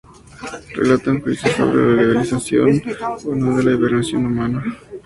Relata un juicio sobre la legalización o no de la hibernación humana.